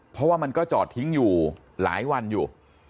เพราะว่ามันก็จอดทิ้งอยู่หลายวันอยู่